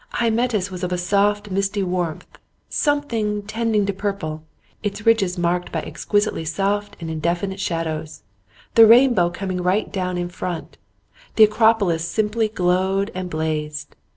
Hymettus was of a soft misty warmth, a something tending to purple, its ridges marked by exquisitely soft and indefinite shadows, the rainbow coming right down in front. The Acropolis simply glowed and blazed.